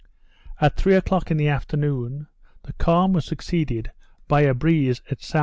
At three o'clock in the afternoon, the calm was succeeded by a breeze at S.E.